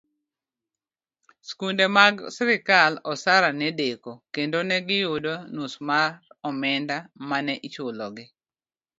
Skunde mag sirikal, osara gi nedeko, kendo negiyudo nus mar omenda mane ichulo gi.